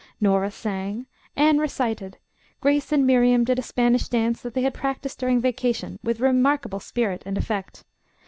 Nora sang, Anne recited, Grace and Miriam did a Spanish dance that they had practised during vacation with remarkable spirit and effect.